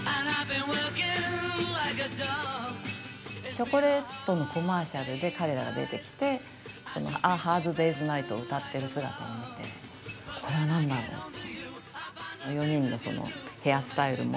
チョコレートのコマーシャルで彼らが出てきて「ＡＨａｒｄＤａｙ’ｓＮｉｇｈｔ」を歌ってる姿を見てこれは何だろう？と。